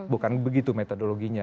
bukan begitu metodologinya